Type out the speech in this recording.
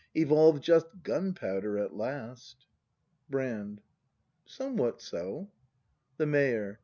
Evolve just gunpowder at last. Brand. Somewhat so. The Mayor.